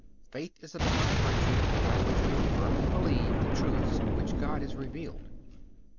Faith is a Divine virtue by which we firmly believe the truths which God has revealed.